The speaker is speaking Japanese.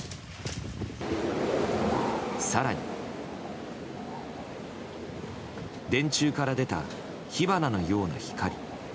更に、電柱から出た火花のような光。